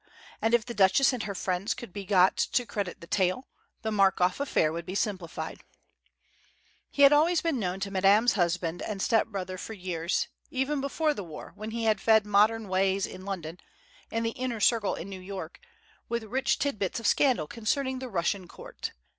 And if the Duchess and her friends could be got to credit the tale, the Markoff affair would be simplified. He had been known to Madame's husband and stepbrother for years, even before the war, when he had fed Modern Ways in London and the Inner Circle in New York with rich titbits of scandal concerning the Russian Court.